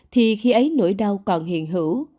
thì khi ấy nỗi đau còn hiện hữu